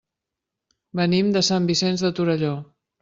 Venim de Sant Vicenç de Torelló.